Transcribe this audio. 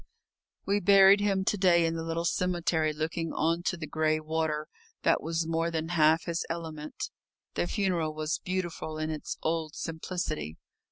We buried him to day in the little cemetery looking on to the grey water that was more than half his element. The funeral was beautiful in its old simplicity.